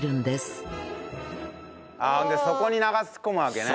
そこに流し込むわけね。